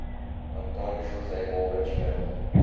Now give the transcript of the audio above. Antônio José Moura de Melo